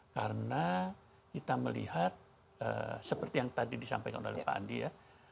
karena kita melihat seperti yang tadi disampaikan oleh pak andi ya